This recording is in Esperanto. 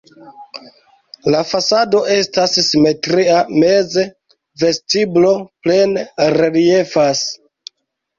La fasado estas simetria, meze vestiblo plene reliefas.